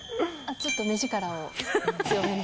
ちょっと目力を強めに。